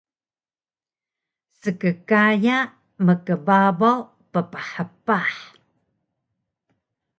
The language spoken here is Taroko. Skkaya mkbabaw pphpah